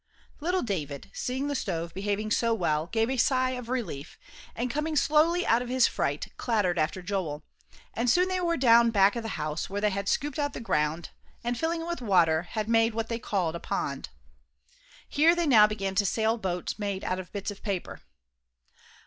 Little David, seeing the stove behaving so well, gave a sigh of relief, and coming slowly out of his fright, clattered after Joel, and soon they were down back of the house, where they had scooped out the ground, and filling it with water, had made what they called a pond. Here they now began to sail boats made out of bits of paper.